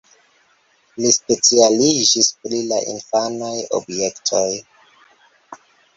Li specialiĝis pri la infanaj objektoj.